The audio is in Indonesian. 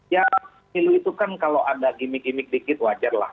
ya pemilu itu kan kalau ada gimmick gimmick dikit wajar lah